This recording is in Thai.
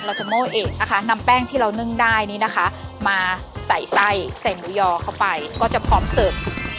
โมโโม้เอกนะคะนำแป้งที่เรานึ่งได้นี่นะคะมาใส่ไส้ใส่หมูยอเข้าไปก็จะพร้อมเสิร์ฟ